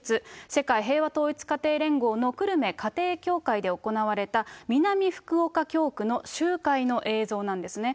世界平和統一家庭連合の久留米家庭教会で行われた南福岡教区の集会の映像なんですね。